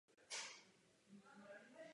V krystalické podobě je to tmavě modrá látka.